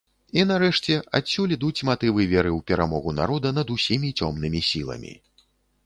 І, нарэшце, адсюль ідуць матывы веры ў перамогу народа над усімі цёмнымі сіламі.